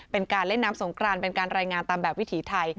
เป็นการเล่นน้ำสงครานเป็นการรายงานตามแบบวิถีไทย